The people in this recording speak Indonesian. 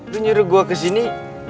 lu nyuruh gue kesini